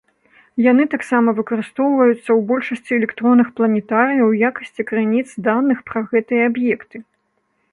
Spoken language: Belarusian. Яны таксама выкарыстоўваюцца ў большасці электронных планетарыяў у якасці крыніц даных пра гэтыя аб'екты.